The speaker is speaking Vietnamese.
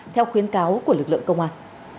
theo khuyến cáo của lực lượng công an